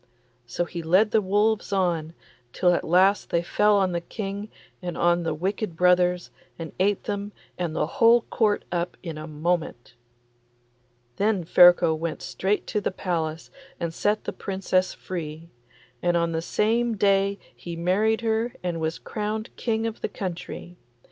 So he led the wolves on, till at last they fell on the King and on the wicked brothers, and ate them and the whole Court up in a moment. Then Ferko went straight to the palace and set the Princess free, and on the same day he married her and was crowned King of the country.